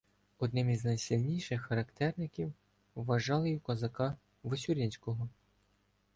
Одним із найсильніших характерників вважали і козака Васюринського.